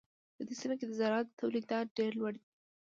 په دې سیمه کې د زراعت تولیدات ډېر لوړ دي.